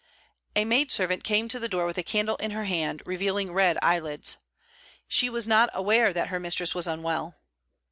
A maid servant came to the door with a candle in her hand revealing red eyelids. She was not aware that her mistress was unwell.